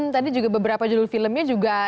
tadi juga beberapa judul filmnya juga